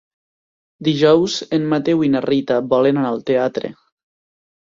Dijous en Mateu i na Rita volen anar al teatre.